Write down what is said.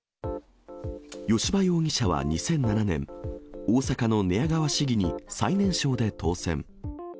吉羽容疑者は２００７年、大阪の寝屋川市議に最年少で当選。